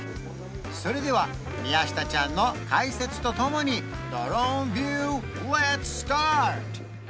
それでは宮下ちゃんの解説とともにドローンビューレッツスタート！